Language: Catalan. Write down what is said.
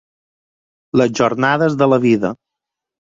Les jornades de la vida.